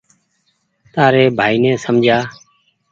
تآري ڀآئي ني سمجهآ